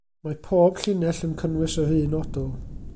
Mae pob llinell yn cynnwys yr un odl.